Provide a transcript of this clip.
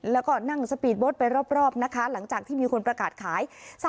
แล้วก็นั่งสปีดโบ๊ทไปรอบนะคะหลังจากที่มีคนประกาศขาย